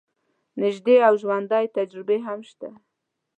نژدې او ژوندۍ تجربې هم شته.